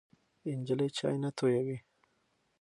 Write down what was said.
نجلۍ چای نه تویوي.